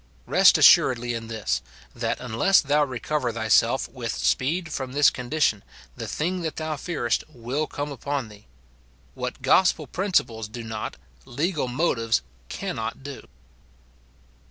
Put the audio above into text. Rest assuredly in this, that unless thou re cover thyself with speed from this condition, the thing that thou fearest will come upon thee. What gospel principles do not, legal motives cannot do.